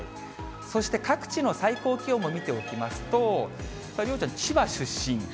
そして各地の最高気温も見ておきますと、梨央ちゃん、千葉出身。